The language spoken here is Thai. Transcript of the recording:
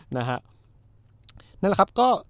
นั่นแหละครับก็